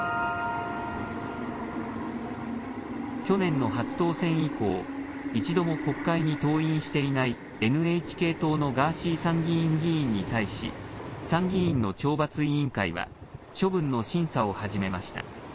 去年の初当選以降、一度も国会に登院していないＮＨＫ党のガーシー参議院議員に対し参議院の懲罰委員会は処分の審査を始めました。